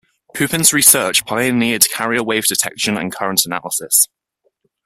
Pupin's research pioneered carrier wave detection and current analysis.